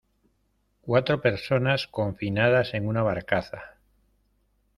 cuatro personas confinadas en una barcaza...